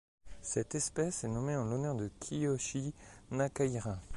Cette espèce est nommée en l'honneur de Kiyoshi Nakahira.